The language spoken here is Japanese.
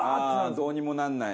どうにもならない。